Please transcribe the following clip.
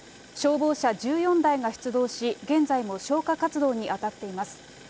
消防車１４台が出動し、現在も消火活動に当たっています。